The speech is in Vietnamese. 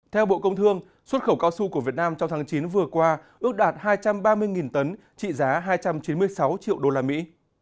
theo bộ công thương xuất khẩu cao su của việt nam trong tháng chín vừa qua ước đạt hai trăm ba mươi tấn trị giá hai trăm chín mươi sáu triệu đô la mỹ